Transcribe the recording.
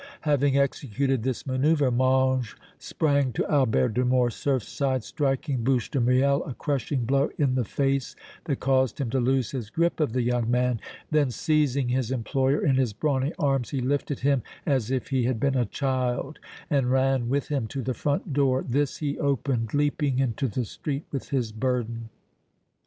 Having executed this manoeuvre, Mange sprang to Albert de Morcerf's side, striking Bouche de Miel a crushing blow in the face that caused him to lose his grip of the young man. Then, seizing his employer in his brawny arms, he lifted him as if he had been a child and ran with him to the front door; this he opened, leaping into the street with his burden.